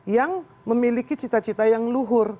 yang memiliki cita cita yang luhur